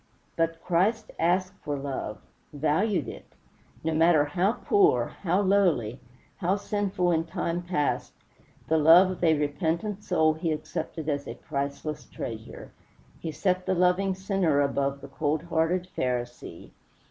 But Christ asked for love valued it. No matter how poor, how lowly, how sinful in time past, the love of a repentant soul he accepted as a priceless treasure. He set the loving sinner above the cold hearted Pharisee.